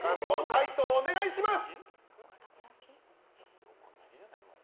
解答をお願いします。